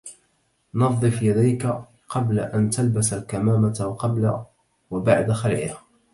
نظف يديك قبل أن تلبس الكمامة، وقبل وبعد خلعها.